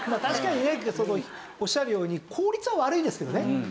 確かにねおっしゃるように効率は悪いですけどね。